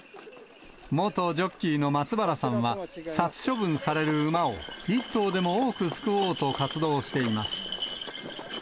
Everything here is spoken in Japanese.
元ジョッキーの松原さんは、殺処分される馬を１頭でも多く救おうと活動しています。